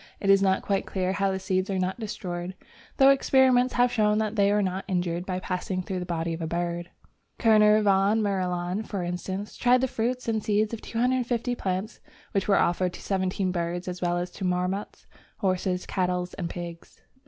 It is not quite clear how the seeds are not destroyed, though experiments have shown that they are not injured, by passing through the body of a bird. Kerner von Marilaun, for instance, tried the fruits and seeds of 250 different plants which were offered to seventeen birds, as well as to marmots, horses, cattle, and pigs.